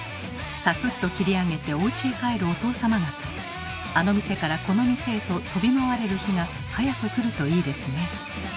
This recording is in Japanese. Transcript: サクッと切り上げておうちへ帰るおとうさま方あの店からこの店へと飛び回れる日が早く来るといいですね。